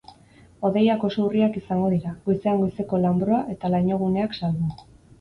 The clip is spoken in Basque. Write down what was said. Hodeiak oso urriak izango dira, goizean goizeko lanbroa eta lainoguneak salbu.